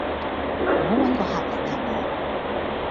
唔好搵個客嚟壓我